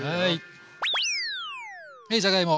はいじゃがいも。